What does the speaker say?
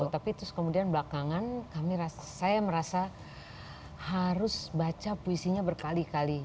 tapi terus kemudian belakangan saya merasa harus baca puisinya berkali kali